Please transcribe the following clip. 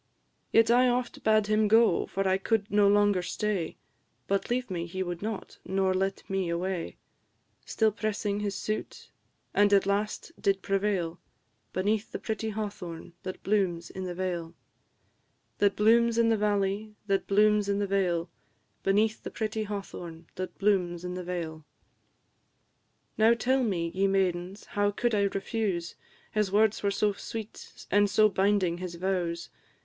Yet I oft bade him go, for I could no longer stay, But leave me he would not, nor let me away; Still pressing his suit, and at last did prevail, Beneath the pretty hawthorn that blooms in the vale That blooms in the valley, &c. Now tell me, ye maidens, how could I refuse? His words were so sweet, and so binding his vows!